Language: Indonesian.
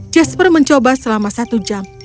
jasper mencoba selama satu jam